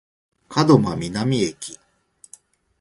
門真南駅